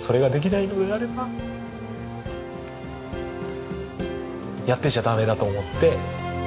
それができないのであればやってちゃダメだと思って。